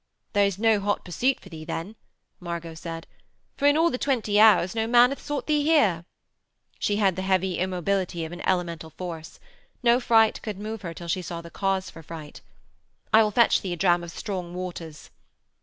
'There is no hot pursuit for thee then,' Margot said, 'for in all the twenty hours no man hath sought thee here.' She had the heavy immobility of an elemental force. No fright could move her till she saw the cause for fright. 'I will fetch thee a dram of strong waters.'